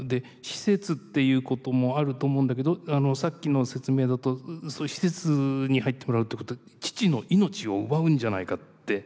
施設っていうこともあると思うんだけどさっきの説明だとそういう施設に入ってもらうってこと父の命を奪うんじゃないかって。